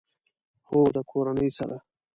هو، د کورنۍ سره